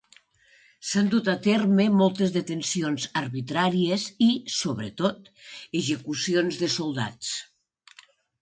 S'han dut a terme moltes detencions arbitràries i, sobretot, execucions de soldats.